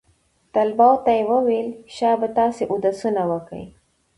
طلباو ته يې وويل شابه تاسې اودسونه وكئ.